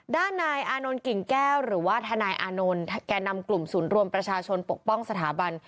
ด้านนายอานนท์กิ่งแก้วหรือว่าทนายอานนท์แก่นำกลุ่มศูนย์รวมประชาชนปกป้องสถาบัน